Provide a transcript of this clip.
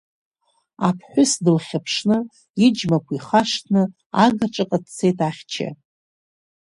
Аԥҳәыс дылхьыԥшны, иџьмақәа ихашҭны, агаҿаҟа дцеит ахьча.